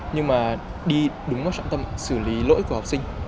nhưng mà đi đúng vào sẵn tâm xử lý lỗi của học sinh